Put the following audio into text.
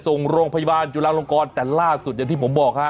ส่งโรงพยาบาลจุฬาลงกรแต่ล่าสุดอย่างที่ผมบอกฮะ